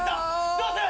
どうする！？